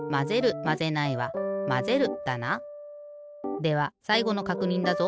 ではさいごのかくにんだぞ。